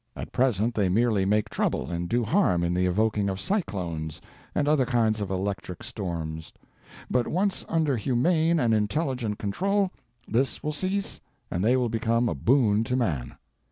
At present they merely make trouble and do harm in the evoking of cyclones and other kinds of electric storms; but once under humane and intelligent control this will cease and they will become a boon to man.